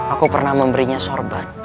aku pernah memberinya sorban